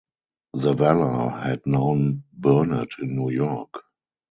Zavala had known Burnet in New York.